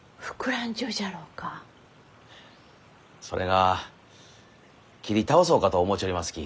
それが切り倒そうかと思うちょりますき。